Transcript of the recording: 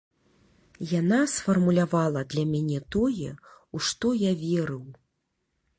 Яна сфармулявала для мяне тое, у што я верыў.